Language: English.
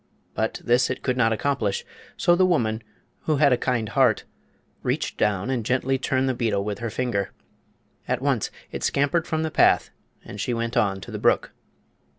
But this it could not accomplish; so the woman, who had a kind heart, reached down and gently turned the beetle with her finger. At once it scampered from the path and she went on to the brook.